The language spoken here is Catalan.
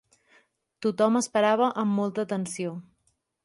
Tothom esperava amb molta atenció.